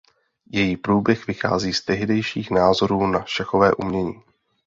Její průběh vychází z tehdejších názorů na šachové umění.